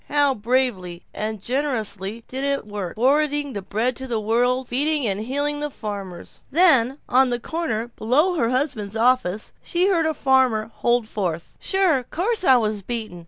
How bravely and generously it did its work, forwarding the bread of the world, feeding and healing the farmers! Then, on the corner below her husband's office, she heard a farmer holding forth: "Sure. Course I was beaten.